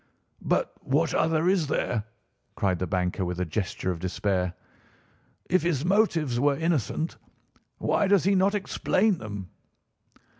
"But what other is there?" cried the banker with a gesture of despair. "If his motives were innocent, why does he not explain them?"